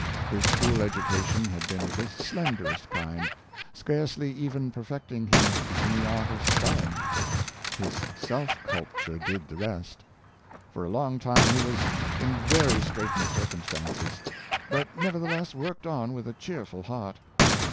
His school education had been of the slenderest kind, scarcely even perfecting him in the art of spelling; his self culture did the rest. For a long time he was in very straightened circumstances, but nevertheless worked on with a cheerful heart.